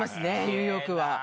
ニューヨークは。